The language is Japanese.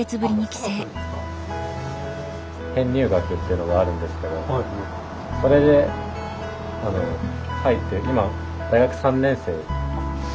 編入学っていうのがあるんですけどそれで入って今大学３年生。